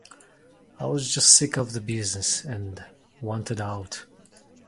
I was just sick of the business and wanted out.